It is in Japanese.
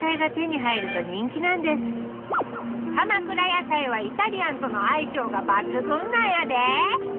やさいはイタリアンとの相性が抜群なんやで。